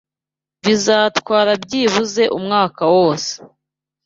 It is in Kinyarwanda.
Bizatwara byibuze umwaka wose